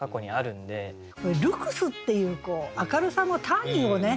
「ルクス」っていう明るさの単位をね